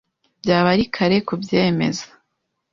Byaba ari kare kubyemeza